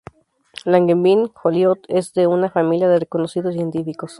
Langevin-Joliot es de una familia de reconocidos científicos.